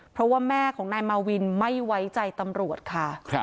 เพราะว่าแม่ของนายมาวินไม่ไว้ใจตำรวจค่ะ